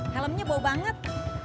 helmnya bau banget